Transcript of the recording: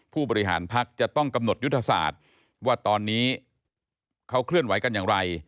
ผู้บริหารพักจะต้องกำหนดยุทธศาสตร์ว่าตอนนี้เขาเคลื่อนไหวกันอย่างไร